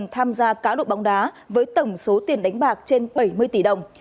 tham gia cá độ bóng đá với tổng số tiền đánh bạc trên bảy mươi tỷ đồng